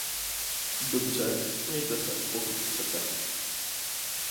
Dobře, smějte se, pokud chcete.